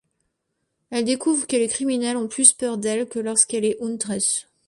Elle découvre que les criminels ont plus peur d'elle que lorsqu'elle est Huntress.